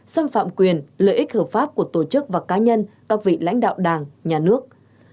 xâm phạm quyền lợi ích hợp pháp của tổ chức và cá nhân các vị lãnh đạo đảng nhà nước